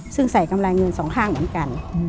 ซึ่งใส่กำไรเงินสองข้างเหมือนกัน